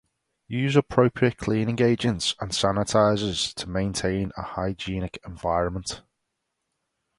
Use appropriate cleaning agents and sanitizers to maintain a hygienic environment.